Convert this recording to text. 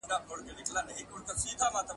چي رباب چي آدم خان وي درخانۍ به یې داستان وي ..